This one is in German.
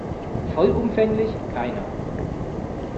Vollumfänglich, keiner.